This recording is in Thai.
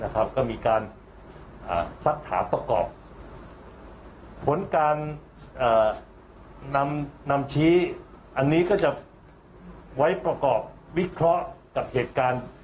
ก็มีการสักถามประกอบผลการนำชี้อันนี้ก็จะไว้ประกอบวิเคราะห์กับเหตุการณ์